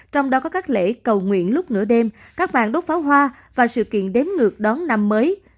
trong đó có các lễ cầu nguyện lúc nửa đêm các màn đốt pháo hoa và sự kiện đếm ngược đón năm mới